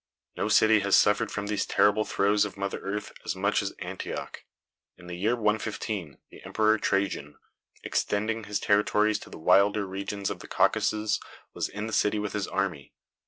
No city has suffered from these terrible throes of Mother Earth as much as Antioch. In the year 115, the Emperor Trajan, extending his territories to the wilder regions of the Caucasus, was in the city with his army.